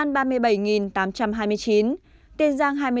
tiền giang hai mươi bốn ba trăm sáu mươi hai ca nhiễm